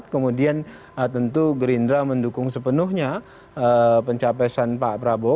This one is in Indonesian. kemudian tentu gerindra mendukung sepenuhnya pencapesan pak prabowo